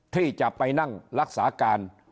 ที่จะไปนั่งรักษาการ